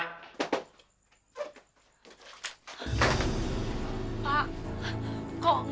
selamat tidur ma